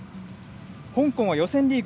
香港は予選リーグ